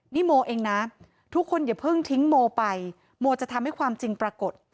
นี่โมเองนะทุกคนอย่าเพิ่งทิ้งโมไปโมจะทำให้ความจริงปรากฏ